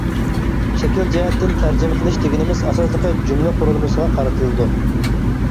شەكىل جەھەتتىن تەرجىمە قىلىش دېگىنىمىز، ئاساسلىقى، جۈملە قۇرۇلمىسىغا قارىتىلىدۇ.